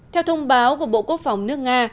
theo thông báo của bộ quốc phòng nước nga